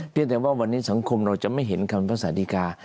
เพียงแต่ว่าวันนี้สังคมเราจะไม่เห็นคำวิทยาศาสตร์ศาสตร์ดีการ์